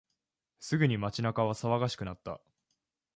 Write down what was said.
すぐに街中は騒がしくなった。